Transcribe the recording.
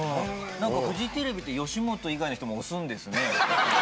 フジテレビって吉本以外の人も推すんですね。